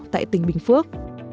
tại tỉnh bình phước